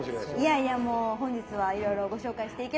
いやいやもう本日はいろいろご紹介していければと思います。